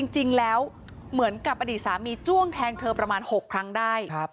จริงแล้วเหมือนกับอดีตสามีจ้วงแทงเธอประมาณ๖ครั้งได้